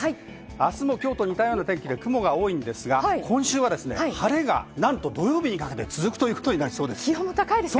明日も今日と似たような天気で雲が多いですが、今週は晴れが続くということになりそうです。